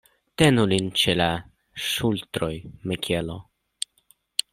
Tenu lin ĉe la ŝultroj, Mikelo.